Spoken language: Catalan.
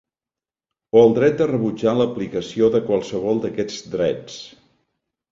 O el dret de rebutjar l'aplicació de qualsevol d'aquests drets.